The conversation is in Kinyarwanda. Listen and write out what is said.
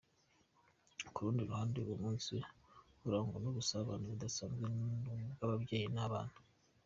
Ku rundi ruhande, uwo munsi urangwa n’ubusabane budasanzwe bw’ababyeyi n’abana.